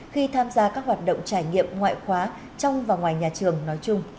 khi tham gia các hoạt động trải nghiệm ngoại khóa trong và ngoài nhà trường nói chung